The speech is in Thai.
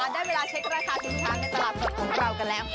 ได้เวลาเช็คราคาสินค้าในตลาดสดของเรากันแล้ว